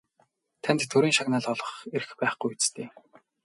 Танд Төрийн шагнал олгох эрх байхгүй биз дээ?